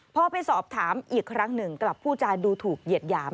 พอไปสอบถามอีกครั้งหนึ่งกลับผู้จาดูถูกเหยียดหยาม